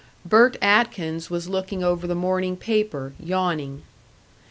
Bert Atkins was looking over the morning paper, yawning.